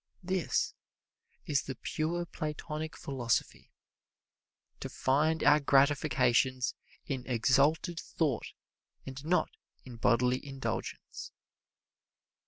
This is the pure Platonic philosophy: to find our gratifications in exalted thought and not in bodily indulgence.